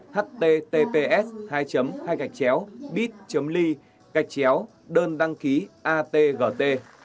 https hai hai gạch chéo bit ly gạch chéo đơn đăng ký atgt